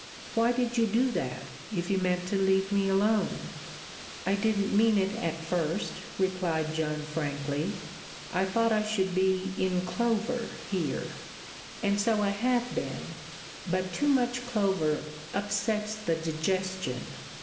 Why did you do that, if you meant to leave me alone?" "I didn't mean it at first," replied Joan frankly. "I thought I should be 'in clover' here, and so I have been; but too much clover upsets the digestion.